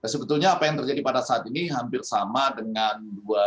sebetulnya apa yang terjadi pada saat ini hampir sama dengan dua ribu empat belas